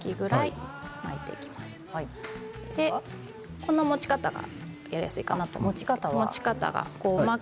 この持ち方がやりやすいかなと思います。